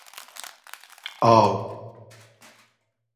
آو